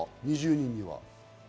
２０人には。